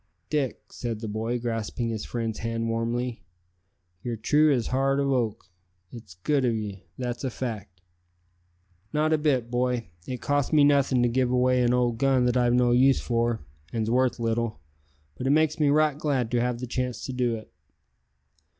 "Dick," said the boy, grasping his friend's hand warmly, "ye're true as heart of oak. It's good of 'ee; that's a fact." "Not a bit, boy; it costs me nothin' to give away an old gun that I've no use for, an's worth little, but it makes me right glad to have the chance to do it."